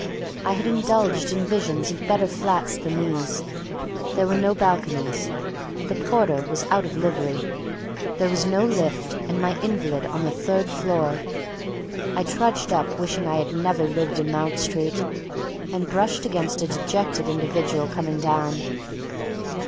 I had indulged in visions of better flats than these. There were no balconies. The porter was out of livery. There was no lift, and my invalid on the third floor! I trudged up, wishing I had never lived in Mount Street, and brushed against a dejected individual coming down.